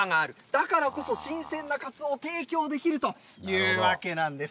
だからこそ新鮮なかつおを提供できるというわけなんです。